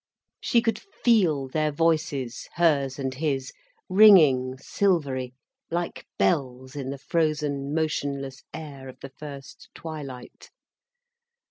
She could feel their voices, hers and his, ringing silvery like bells in the frozen, motionless air of the first twilight.